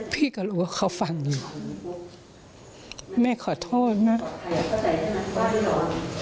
พี่ก็รู้ว่าเขาฟังอยู่แม่ขอโทษนะ